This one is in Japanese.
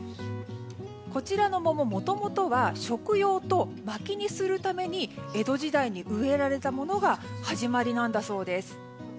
こちらの桃、もともとは食用とまきにするために江戸時代に植えられたものが始まりなんだそうです。